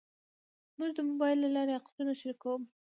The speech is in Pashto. زه د موبایل له لارې عکسونه شریکوم.